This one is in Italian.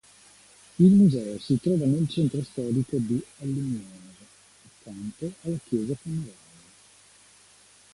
Il Museo si trova nel centro storico di Allumiere, accanto alla Chiesa Camerale.